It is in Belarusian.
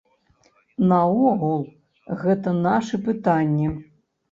Наогул гэта нашы пытанні.